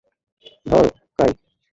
ধর, কাই!